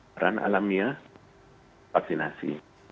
peran alamnya vaksinasi